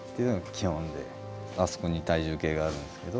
あそこに体重計があるんですけど。